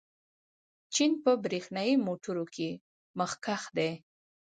چین په برېښنايي موټرو کې مخکښ دی.